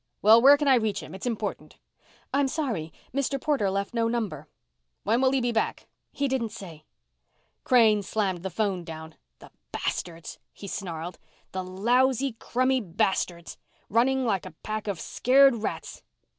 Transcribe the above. "Well, where can I reach him? It's important." "I'm sorry. Mr. Porter left no number." "When will he be back?" "He didn't say." Crane slammed the phone down. "The bastards!" he snarled. "The lousy, crummy bastards. Running like a pack of scared rats.